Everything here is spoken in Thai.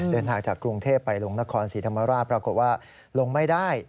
เดินทางจากกรุงเทพไปลงนครศรีธรรมราชปรากฏว่าลงไม่ได้